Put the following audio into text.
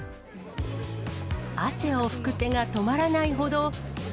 汗を拭く手が止まらないほど。